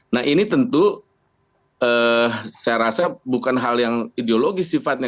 nah ini tentu saya rasa bukan hal yang ideologis sifatnya